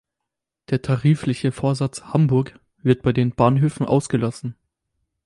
Der tarifliche Vorsatz "Hamburg" wird bei den Bahnhöfen ausgelassen.